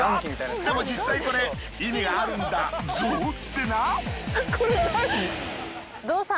でも実際これ意味があるんだゾウってな。